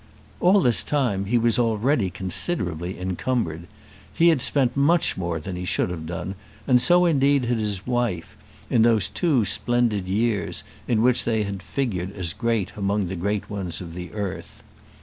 All this time he was already considerably encumbered. He had spent much more than he should have done, and so indeed had his wife, in those two splendid years in which they had figured as great among the great ones of the earth.